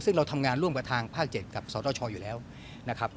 ซึ่งเราทำงานร่วมกับทางภาค๗กับสตชอยู่แล้วนะครับ